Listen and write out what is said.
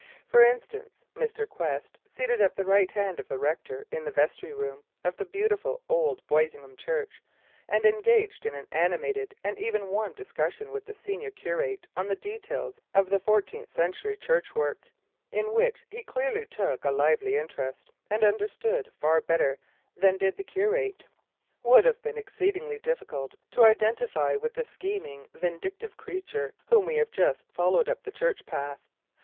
For instance, Mr. Quest—seated at the right hand of the rector in the vestry room of the beautiful old Boisingham Church, and engaged in an animated and even warm discussion with the senior curate on the details of fourteenth century Church work, in which he clearly took a lively interest and understood far better than did the curate—would have been exceedingly difficult to identify with the scheming, vindictive creature whom we have just followed up the church path.